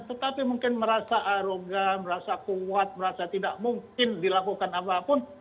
tetapi mungkin merasa arogan merasa kuat merasa tidak mungkin dilakukan apapun